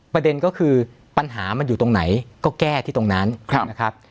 ประเด็นก็คือปัญหามันอยู่ตรงไหนก็แก้ที่ตรงนั้นนะครับ